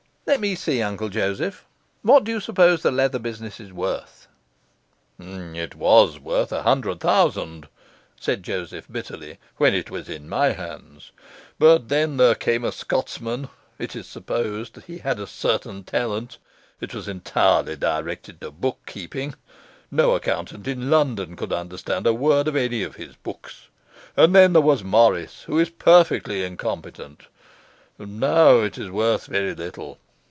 Let me see, Uncle Joseph, what do you suppose the leather business worth?' 'It was worth a hundred thousand,' said Joseph bitterly, 'when it was in my hands. But then there came a Scotsman it is supposed he had a certain talent it was entirely directed to bookkeeping no accountant in London could understand a word of any of his books; and then there was Morris, who is perfectly incompetent. And now it is worth very little.